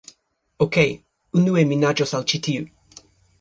Okej. Unue mi naĝos al ĉi tiu...